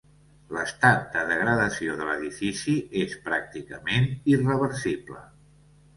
L'estat de degradació de l'edifici és pràcticament irreversible.